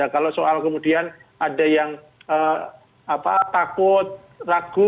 kalau soal kemudian ada yang takut ragu